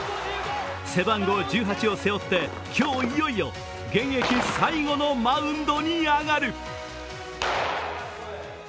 背番号１８を背負って、今日いよいよ現役最後のマウンドに上がる。